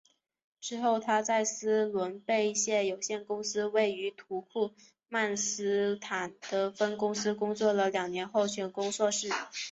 之后她在斯伦贝谢有限公司位于土库曼斯坦的分公司工作了两年后选攻硕士。